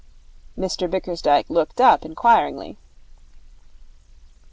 Mr Bickersdyke looked up inquiringly.